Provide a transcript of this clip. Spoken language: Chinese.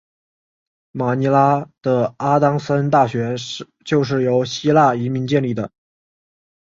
马尼拉的阿当森大学就是由希腊移民建立。